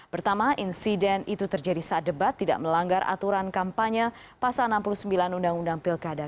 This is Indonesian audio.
pertama insiden itu terjadi saat debat tidak melanggar aturan kampanye pasal enam puluh sembilan undang undang pilkada